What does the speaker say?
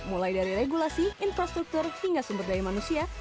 mulai dari regulasi infrastruktur hingga sumber daya manusia